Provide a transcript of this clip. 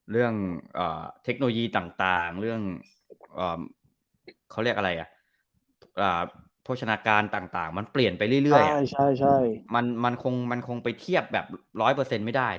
เรื่องเทคโนโลยีต่างเพราะโภชนาการต่างมันเปลี่ยนไปเรื่อยมันคงไปเทียบแบบ๑๐๐ไม่ได้